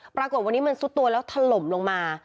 ปรากฏวันนี้มันซุดตัวแล้วถล่มลงมา